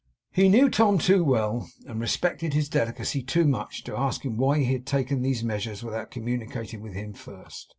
He knew Tom too well, and respected his delicacy too much, to ask him why he had taken these measures without communicating with him first.